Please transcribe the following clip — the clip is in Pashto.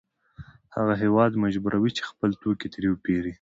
هغه هېواد مجبوروي چې خپل توکي ترې وپېري